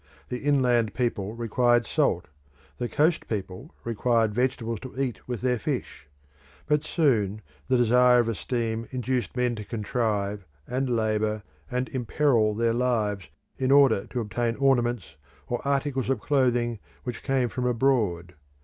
The inland people required salt; the coast people required vegetables to eat with their fish. But soon the desire of esteem induced men to contrive, and labour, and imperil their lives in order to obtain ornaments or articles of clothing which came from abroad.